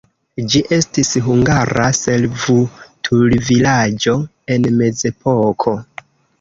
Ĝi estis hungara servutulvilaĝo en mezepoko.